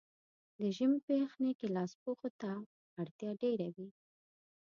د ژمي په یخنۍ کې لاسپوښو ته اړتیا ډېره وي.